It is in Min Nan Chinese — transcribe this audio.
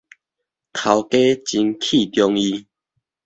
頭家真器重伊